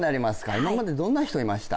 今までどんな人いました？